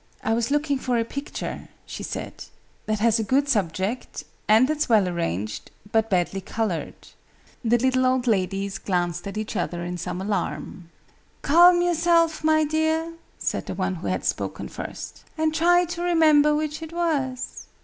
"I was looking for a picture," she said, "that has a good subject and that's well arranged but badly coloured." The little old ladies glanced at each other in some alarm. "Calm yourself, my dear," said the one who had spoken first, "and try to remember which it was.